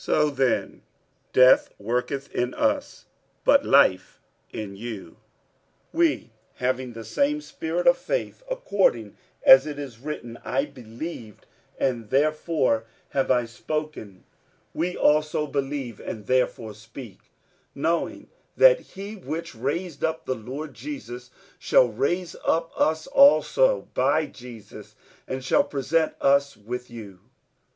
47:004:012 So then death worketh in us, but life in you. 47:004:013 We having the same spirit of faith, according as it is written, I believed, and therefore have I spoken; we also believe, and therefore speak; 47:004:014 Knowing that he which raised up the Lord Jesus shall raise up us also by Jesus, and shall present us with you.